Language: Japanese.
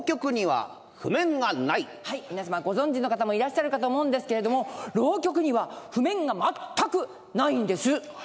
皆様ご存じの方もいらっしゃるかと思うんですけれども浪曲には譜面が全くないんです。